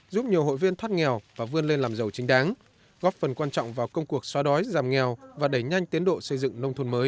giúp nhiều hội viên thoát nghèo và vươn lên làm giàu chính đáng góp phần quan trọng vào công cuộc xóa đói giảm nghèo và đẩy nhanh tiến độ xây dựng nông thôn mới